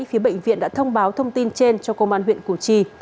phía bệnh viện đã thông báo thông tin trên cho công an huyện củ chi